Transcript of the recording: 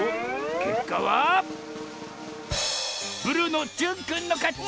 けっかはブルーのじゅんくんのかち！